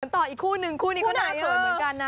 ต่ออีกคู่นึงคู่นี้ก็นายเขินเหมือนกันนะ